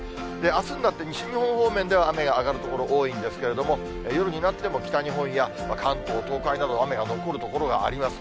あすになって、西日本方面では雨が上がる所、多いんですけれども、夜になっても北日本や関東、東海など雨が残る所があります。